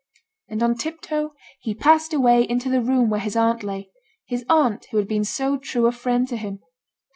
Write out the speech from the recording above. And on tip toe he passed away into the room where his aunt lay; his aunt who had been so true a friend to him!